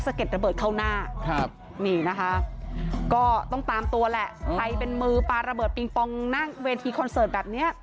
เก็ดระเบิดเข้าหน้าครับนี่นะคะก็ต้องตามตัวแหละใครเป็นมือปลาระเบิดปิงปองหน้าเวทีคอนเสิร์ตแบบเนี้ย